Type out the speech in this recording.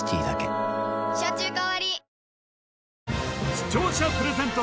視聴者プレゼント